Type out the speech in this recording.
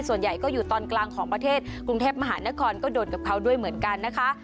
ส่วนใหญ่ก็อยู่ตอนกลางของประเทศกรุงเทพมหานครก็โดนกับเขาด้วยเหมือนกันนะคะ